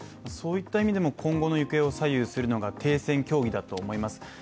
そういった意味でも今後の行方を左右するのが停戦協議だと思います。